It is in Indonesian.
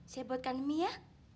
saya buatkan mie ya